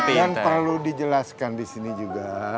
dan perlu dijelaskan disini juga